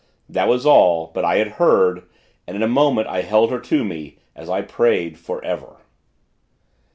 That was all; but I had heard, and, in a moment I held her to me as I prayed forever.